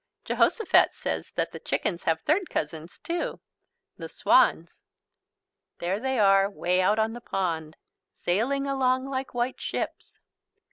Jehosophat says that the chickens have third cousins too, the swans. There they are, way out on the pond, sailing along like white ships.